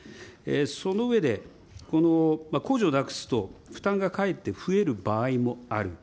その上で、控除をなくすと負担がかえって増える場合もある。